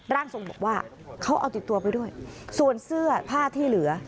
ร่างทรงบอกว่าเขาเอาติดตัวไปด้วยส่วนเสื้อผ้าที่เหลือ